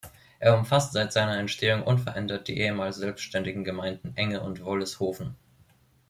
Er umfasst seit seiner Entstehung unverändert die ehemals selbständigen Gemeinden Enge und Wollishofen.